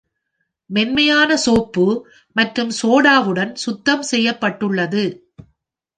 மென்மையான சோப்பு மற்றும் சோடாவுடன் சுத்தம் செய்யப்பட்டுள்ளது.